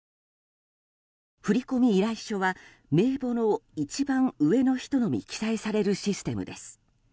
振込依頼書は名簿の一番上の人のみ記載されるシステムです。